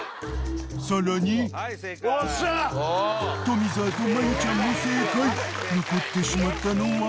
［富澤と真由ちゃんも正解残ってしまったのは］